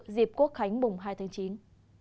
dịp quốc khánh bùng hai tháng chín